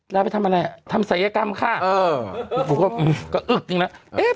ลาไปทำอะไรอ่ะทำศัยกรรมค่ะเออผมก็อึกหนึ่งแล้วเอ๊ะ